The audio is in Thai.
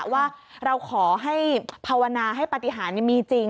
ว่าเราขอให้ภาวนาให้ปฏิหารมีจริง